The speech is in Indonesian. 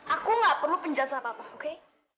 aku nggak perlu penjelasan apa apa oke